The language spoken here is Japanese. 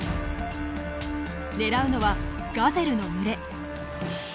狙うのはガゼルの群れ。